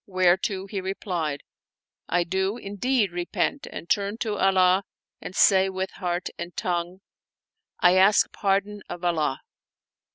" whereto he replied, " I do indeed repent and turn to Allah and say with heart and tongue: I ask pardon of Allah."